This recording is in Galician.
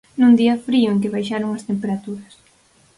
Nun día frío en que baixaron as temperaturas.